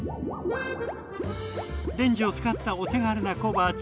レンジを使ったお手軽な小鉢。